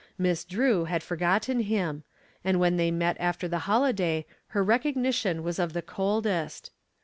Miss Drew had forgotten him, and when they met after the holiday her recognition was of the coldest.